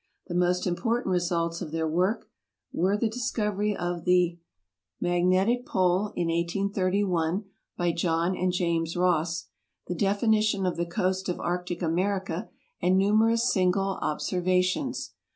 The most important results of their work were the discovery of the 92 TRAVELERS AND EXPLORERS magnetic pole in 1831 by John and James Ross, the defini tion of the coast of arctic America, and numerous single ob servations.